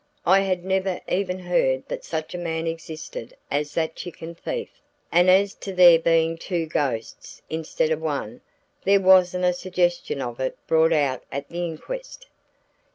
I had never even heard that such a man existed as that chicken thief and as to there being two ghosts instead of one, there wasn't a suggestion of it brought out at the inquest."